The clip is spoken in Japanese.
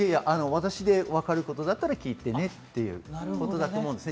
「私でわかることだったら聞いてね」っていうことだと思います。